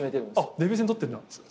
デビュー戦取ってんだ。